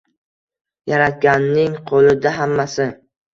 Yaratganning qo‘lida hammasi.